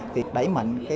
thì đẩy mạnh